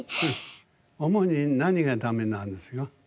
主に何がダメなんですか？